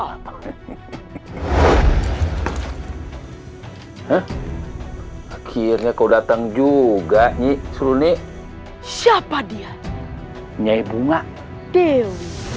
ah ah akhirnya kau datang juga nyi seru nih demasiado